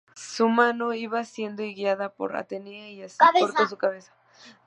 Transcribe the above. Su mano iba siendo guiada por Atenea y así cortó su cabeza.